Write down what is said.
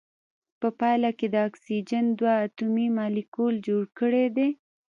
په پایله کې د اکسیجن دوه اتومي مالیکول جوړ کړی دی.